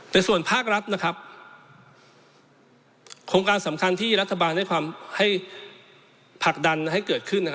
ในส่วนภาครัฐโครงการสำคัญที่รัฐบาลให้ความให้ผลักดันให้เกิดขึ้น